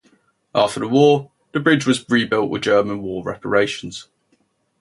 After the war, the bridge was rebuilt with German war reparations.